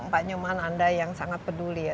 pak nyoman anda yang sangat peduli ya